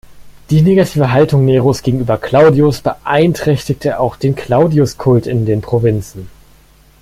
Die negative Haltung Neros gegenüber Claudius beeinträchtigte auch den Claudius-Kult in den Provinzen.